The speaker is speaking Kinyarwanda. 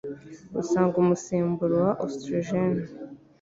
usanga umusemburo wa oestrogène